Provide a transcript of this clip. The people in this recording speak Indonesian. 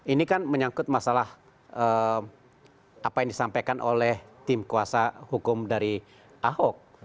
ini kan menyangkut masalah apa yang disampaikan oleh tim kuasa hukum dari ahok